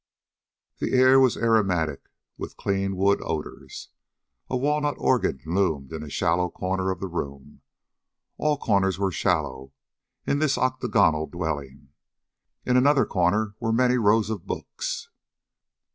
The air was aromatic with clean wood odors. A walnut organ loomed in a shallow corner of the room. All corners were shallow in this octagonal dwelling. In another corner were many rows of books.